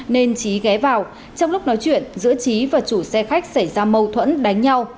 nên trí ghé vào trong lúc nói chuyện giữa trí và chủ xe khách xảy ra mâu thuẫn đánh nhau